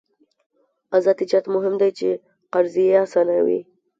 آزاد تجارت مهم دی ځکه چې قرضې اسانوي.